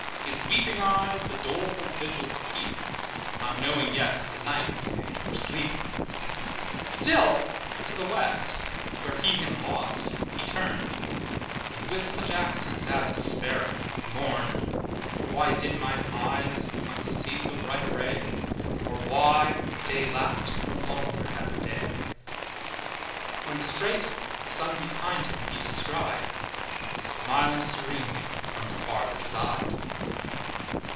His weeping eyes the doleful vigils keep, Not knowing yet the night was made for sleep; Still to the west, where he him lost, he turned, And with such accents as despairing mourned: `Why did mine eyes once see so bright a ray; Or why day last no longer than a day?' When straight the sun behind him he descried, Smiling serenely from the further side.